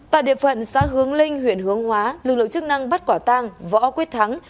tại địa phận xã hướng linh huyện hướng hóa lực lượng chức năng bắt quả tang võ quyết thắng